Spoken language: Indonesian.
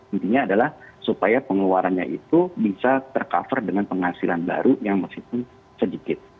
intinya adalah supaya pengeluarannya itu bisa tercover dengan penghasilan baru yang meskipun sedikit